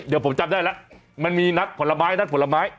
เดี๋ยวผมจำได้แล้วมันมีนัดผลไม้นัดผลไม้